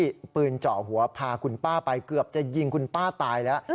ปืนเจาะหัวพาคุณป้าไปเกือบจะยิงคุณป้าตายแล้ว